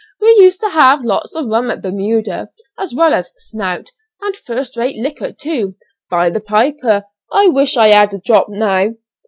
We used to have lots of rum at Bermuda, as well as 'snout,' and first rate liquor, too. By the piper! I wish I had a drop now."